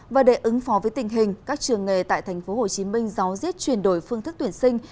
và để ứng phó với tình hình các trường nghề tại tp hcm giáo diết chuyển đổi phương thức tuyển sinh